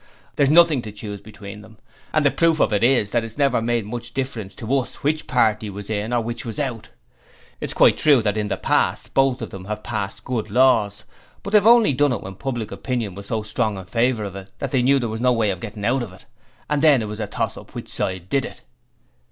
There's nothing to choose between 'em, and the proof of it is that it's never made much difference to us which party was in or which was out. It's quite true that in the past both of 'em have passed good laws, but they've only done it when public opinion was so strong in favour of it that they knew there was no getting out of it, and then it was a toss up which side did it.